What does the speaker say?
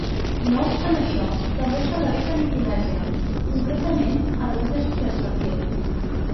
No obstant això, també se l'ha vist a Micronèsia, concretament, a les illes Chesterfield.